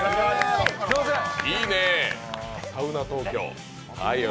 いいね、サウナ東京。